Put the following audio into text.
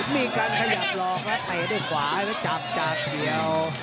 มีการขยับลองแล้วไปด้วยกว่าให้มันจับจับเดียว